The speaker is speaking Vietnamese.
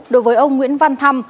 đối với ông nguyễn văn thăm